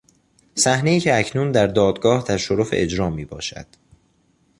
صحنهای که اکنون در دادگاه در شرف اجرا می باشد.